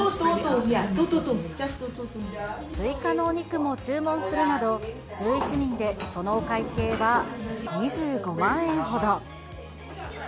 追加のお肉も注文するなど、１１人でそのお会計は２５万円ほど。